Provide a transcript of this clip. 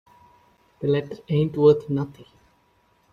The letter ain't worth nothing.